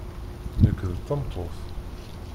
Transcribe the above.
Nekk d tameṭṭut.